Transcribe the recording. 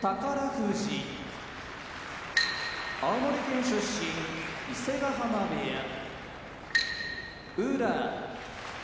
富士青森県出身伊勢ヶ濱部屋宇良